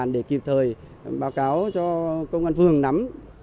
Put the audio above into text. để kịp thời báo cáo cho công an phường nắm